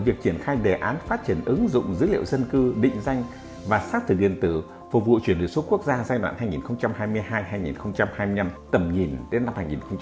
việc triển khai đề án phát triển ứng dụng dữ liệu dân cư định danh và xác thực điện tử phục vụ chuyển đổi số quốc gia giai đoạn hai nghìn hai mươi hai hai nghìn hai mươi năm tầm nhìn đến năm hai nghìn ba mươi